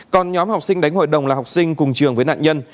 còn nhóm học sinh đánh hội đồng là học sinh cùng trường với nạn nhân